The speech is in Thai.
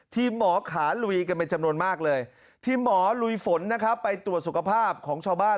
หมอขาลุยกันเป็นจำนวนมากเลยทีมหมอลุยฝนนะครับไปตรวจสุขภาพของชาวบ้าน